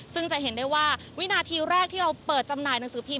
ซึ่งจะเห็นได้ว่าวินาทีแรกที่เราเปิดจำหน่ายหนังสือพิพ